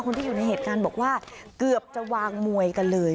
คนที่อยู่ในเหตุการณ์บอกว่าเกือบจะวางมวยกันเลย